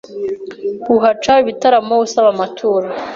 Uhaca ibitaramo usaba amaturo